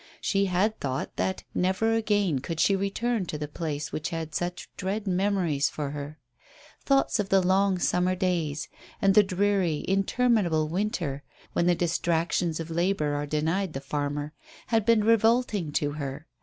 She had thought that never again could she return to the place which had such dread memories for her. Thoughts of the long summer days, and the dreary, interminable winter, when the distractions of labour are denied the farmer, had been revolting to her.